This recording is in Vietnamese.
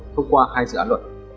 thông qua hai dự án luật